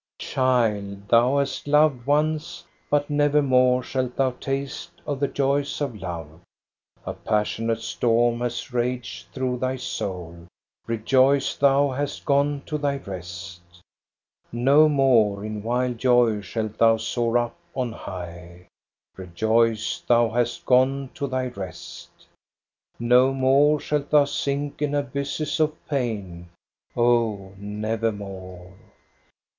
^' Child, thou hast loved once, but nevermore Shalt thou taste of the joys of love ! A passionate storm has raged through thy soul Rejoice thou hast gone to thy rest I 1 68 THE STORY OF GOSTA BE RUNG No more in wild joy shalt thou soar up on high Rejoice, thou hast gone to thy rest ! No more shalt thou sink in abysses of pain, Oh, nevermore.